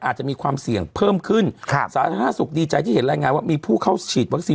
อาจจะมีความเสี่ยงเพิ่มขึ้นครับสาธารณสุขดีใจที่เห็นรายงานว่ามีผู้เข้าฉีดวัคซีน